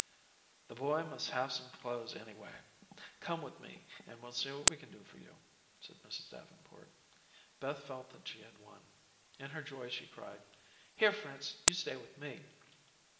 "The boy must have some clothes, anyway. Come with me, and we'll see what we can do for you," said Mrs. Davenport. Beth felt that she had won. In her joy she cried: "Here, Fritz, you stay with me."